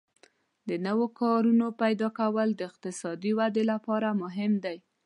د نوو کارونو پیدا کول د اقتصادي ودې لپاره مهم دي.